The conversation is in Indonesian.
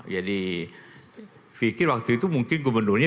jadi pikir waktu itu mungkin gubernurnya bisa